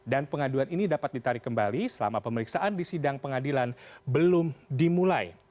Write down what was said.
dan pengaduan ini dapat ditarik kembali selama pemeriksaan di sidang pengadilan belum dimulai